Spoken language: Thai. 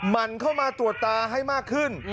มันเข้ามาตรวจตาให้มากขึ้น